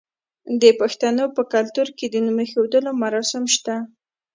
د پښتنو په کلتور کې د نوم ایښودلو مراسم شته.